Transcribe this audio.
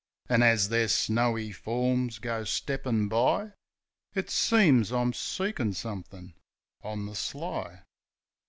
An', as their snowy forms goes steppin' by, It seems I'm seekin' somethin' on the sly.